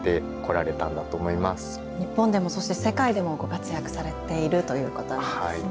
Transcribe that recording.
日本でもそして世界でもご活躍されているということなんですね。